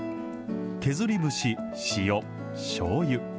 削り節、塩、しょうゆ。